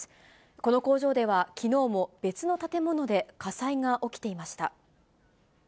この工場では、きのうも別の建物で火災が起きていました。